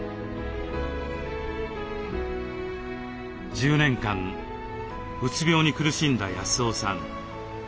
１０年間うつ病に苦しんだ康雄さん。